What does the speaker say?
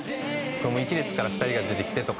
「これも１列から２人が出てきてとか」